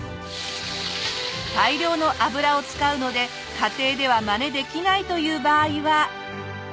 大量の油を使うので家庭ではまねできないという場合は。